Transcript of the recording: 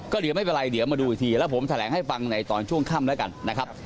เดี๋ยวไม่เป็นไรเดี๋ยวมาดูอีกทีแล้วผมแถลงให้ฟังในตอนช่วงค่ำแล้วกันนะครับ